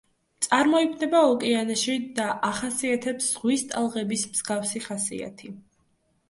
წარმოიქმნება ოკეანეში და ახასიათებს ზღვის ტალღების მსგავსი ხასიათი.